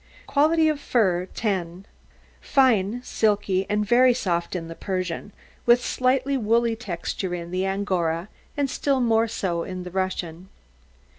QUALITY OF FUR 10 Fine, silky, and very soft in the Persian, with slightly woolly texture in the Angora, and still more so in the Russian.